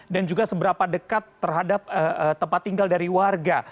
dan juga seberapa dekat terhadap tempat tinggal dari warga